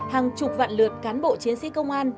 hàng chục vạn lượt cán bộ chiến sĩ công an